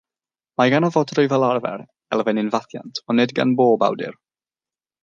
Mae gan y fodrwy, fel arfer, elfen unfathiant, ond nid gan bob awdur.